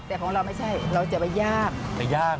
แต่ของเราไม่ใช่เราจะไปย่างไปย่าง